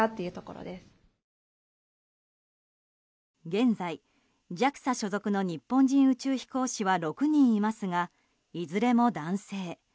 現在、ＪＡＸＡ所属の日本人宇宙飛行士は６人いますがいずれも男性。